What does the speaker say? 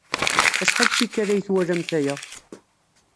Acḥal n tikkal ay twalamt aya?